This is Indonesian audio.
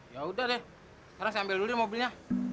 ya udah deh sekarang saya ambil dulu mobilnya